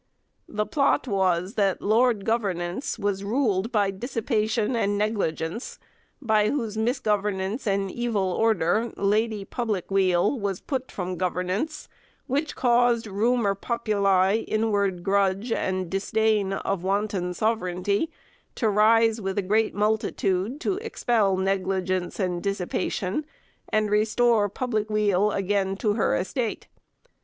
The plot was, that Lord Governance was ruled by Dissipation and Negligence, by whose misgovernance and evil order, Lady Public weal was put from Governance, which caused Rumor populi, Inward grudge, and Disdain of wanton sovreignetie to rise with a great multitude to expel Negligence and Dissipation, and restore Public weal again to her estate.